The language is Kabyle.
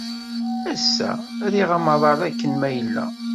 Ass-a, riɣ amaḍal akken ma yella.